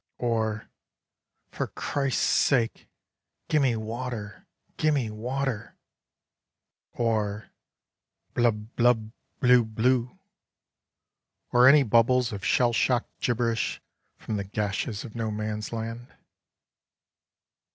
" or " For Christ's sake, gimme water, gimme water," or '' Blub blub, bloo bloo " or any bubbles of shell shock gibberish from the gashes of No Man's Land.